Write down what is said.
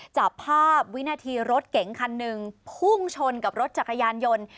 จับภาพวินาทีรถเก๋งคันหนึ่งพุ่งชนกับรถจักรยานยนต์